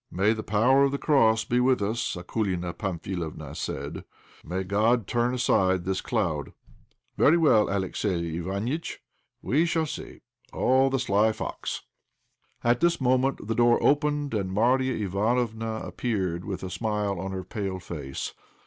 "May the power of the cross be with us!" Akoulina Pamphilovna said. "May God turn aside this cloud. Very well, Alexey Iványtch, we shall see! Oh! the sly fox!" At this moment the door opened, and Marya Ivánofna appeared, with a smile on her pale face.